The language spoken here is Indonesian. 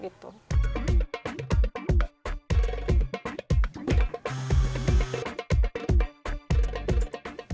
bagaimana cara membuat kain